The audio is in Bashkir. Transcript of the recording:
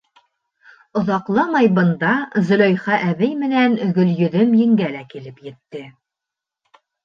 Оҙаҡламай бында Зөләйха әбей менән Гөлйөҙөм еңгә лә килеп етте.